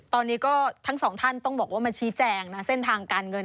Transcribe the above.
ตอนนี้ก็ทั้งสองท่านต้องบอกว่ามาชี้แจงนะเส้นทางการเงิน